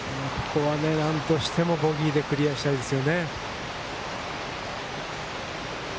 ここはね、なんとしてもボギーでクリアしたいですね。